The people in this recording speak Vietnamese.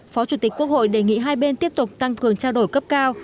phó chủ tịch quốc hội đề nghị hai bên tiếp tục tăng cường trao đổi cấp cao